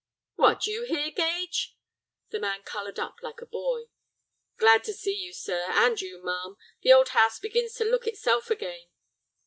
"What, you here, Gage?" The man colored up like a boy. "Glad to see you, sir, and you, ma'am. The old house begins to look itself again."